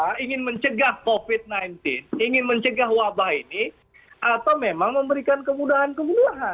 kita ingin mencegah covid sembilan belas ingin mencegah wabah ini atau memang memberikan kemudahan kemudahan